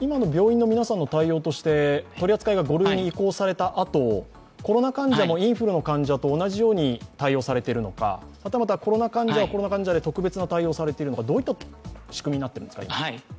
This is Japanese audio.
今の病院の皆さんの対応として取り扱いが５類に移行されたあと、コロナ患者もインフルの患者と同じように対応されているのかはたまたコロナ患者はコロナ患者で特別な対応をされているのか、どういった仕組みになっているんですか？